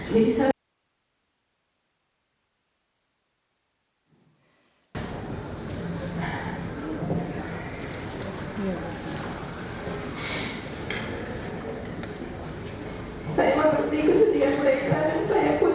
saya merasa sangat kejelangan